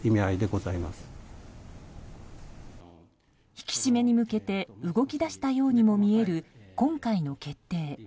引き締めに向けて動き出したようにも見える今回の決定。